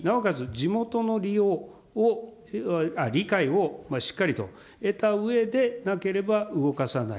地元のりようを、理解をしっかりと得たうえでなければ動かさない。